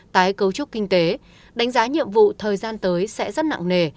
tái cấu trúc kinh tế đánh giá nhiệm vụ thời gian tới sẽ rất nặng nề